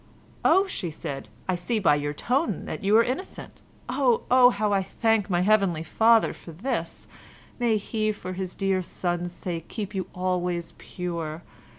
"Oh!" she said, "I see by your tone that you are innocent! Oh! oh! how I thank my heavenly Father for this; may He for His dear Son's sake keep you always pure.